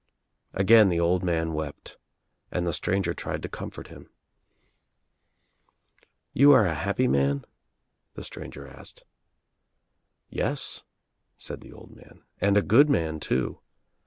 Again the old man wept and the stranger tried to comfort him. "You are a happy man?" the stranger L asked. 96 THE TRIUMPH OF THE EGG "Yes," said the old man, "and a good man too.